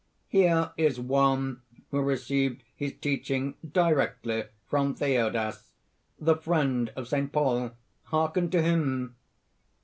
Here is one who received his teaching directly from Theodas, the friend of St. Paul. Hearken to him."